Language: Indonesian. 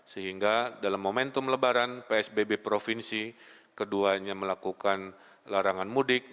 sehingga dalam momentum lebaran psbb provinsi keduanya melakukan larangan mudik